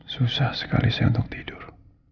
susah sekali saya untuk tidur